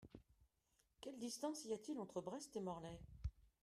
Quelle distance y a-t-il entre Brest et Morlaix ?